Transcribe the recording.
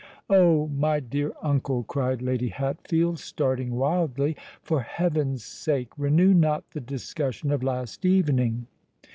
"Oh! my dear uncle," cried Lady Hatfield, starting wildly, "for heaven's sake renew not the discussion of last evening!"